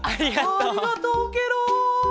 ありがとうケロ！